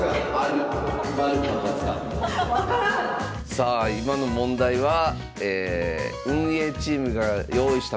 さあ今の問題は運営チームが用意した